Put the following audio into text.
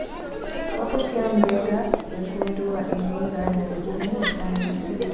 Wapo pia Mbega wekundu wa Iringa na wengine ni Sanje